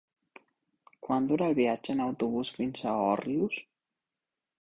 Quant dura el viatge en autobús fins a Òrrius?